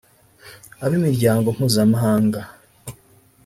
ab’imiryango mpuzamahanga